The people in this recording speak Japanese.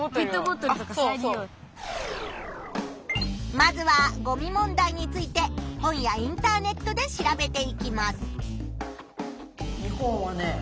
まずはゴミ問題について本やインターネットで調べていきます。